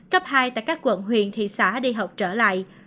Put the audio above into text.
cấp hai tại các quận huyện thị xã đi học trở lại